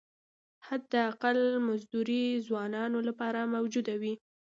حداقل مزدوري ځوانانو لپاره موجوده وي.